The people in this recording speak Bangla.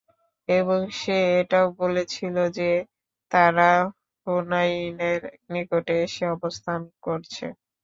এবং সে এটাও বলেছিল যে, তারা হুনাইনের নিকটে এসে অবস্থান করছে।